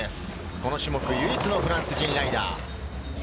この種目、唯一のフランス人ライダー。